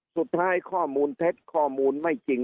สุดท้ายข้อมูลเท็จข้อมูลไม่จริง